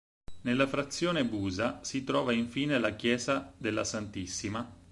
Nella frazione "Busa" si trova infine la chiesa della Ss.